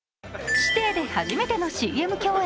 師弟で初めてのＣＭ共演。